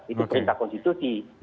itu perintah konstitusi